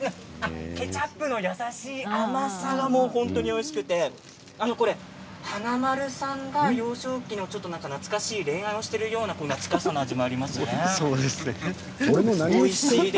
ケチャップの甘さがおいしくてこれ華丸さんが幼少期の懐かしい恋愛をしているような懐かしさの味がありますよね。